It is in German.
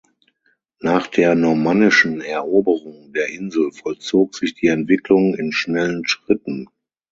Nach der normannischen Eroberung der Insel vollzog sich die Entwicklung in schnellen Schritten.